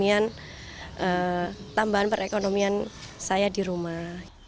ini tambahan perekonomian saya di rumah